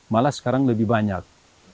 malah sekarang lebih banyak